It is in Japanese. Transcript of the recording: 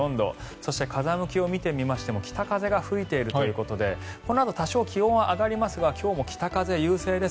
そして、風向きを見てみましても北風が吹いているということでこのあと多少気温は上がりますが今日も北風、優勢です。